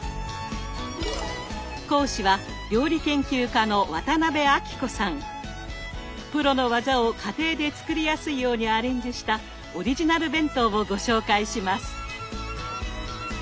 講師はプロの技を家庭で作りやすいようにアレンジしたオリジナル弁当をご紹介します。